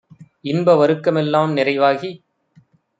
இன்ப வருக்கமெல் லாம்நிறை வாகி